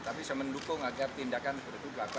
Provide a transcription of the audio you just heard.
tapi saya mendukung agar tindakan bertugak